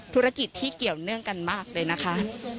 ธุรกิจที่เกี่ยวเนื่องกันมากเลยนะคะ